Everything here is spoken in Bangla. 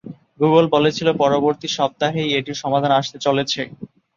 গুগল বলেছিল পরবর্তী সপ্তাহেই এটির সমাধান আসতে চলেছে।